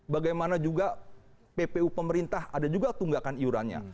bagaimana juga ppu pemerintah ada juga tunggakan iurannya